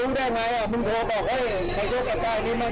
อ่ะมันไม่ใช่เรื่องมันไม่ใช่เรื่องมันไม่ใช่เรื่อง